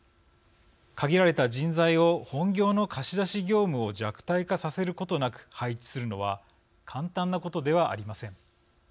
限られた人材を本業の貸し出し業務を弱体化させることなく配置するのは簡単なことではありません。